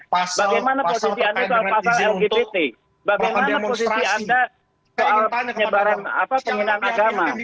bagaimana posisi anda soal pasal lgbt bagaimana posisi anda soal penyebaran penghinaan agama